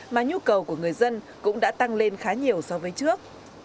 mà nhu cầu của người dân cũng đã tăng lên khá nhiều so với trước